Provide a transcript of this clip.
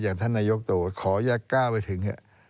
อย่างท่านนายกตัวขอยากกล้าไปถึง